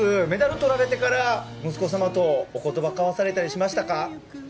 メダルをとられてから息子さんとお言葉交わされたりしましたか？